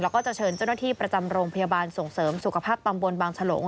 แล้วก็จะเชิญเจ้าหน้าที่ประจำโรงพยาบาลส่งเสริมสุขภาพตำบลบางฉลง